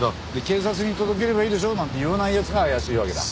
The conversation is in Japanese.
警察に届ければいいでしょなんて言わない奴が怪しいわけだ。